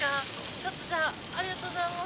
ちょっとじゃあありがとうございます。